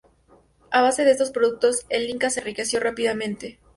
A base de estos productos el Inca se enriqueció rápidamente.